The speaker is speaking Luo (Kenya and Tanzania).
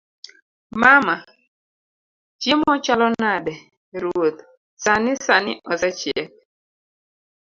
mama; chiemo chalo nade? ruoth; sani sani osechiek